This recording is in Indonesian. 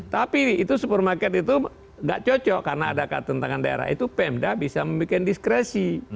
tapi itu supermarket itu tidak cocok karena ada ketentangan daerah itu pemda bisa membuat diskresi